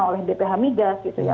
oleh bp hamidas gitu ya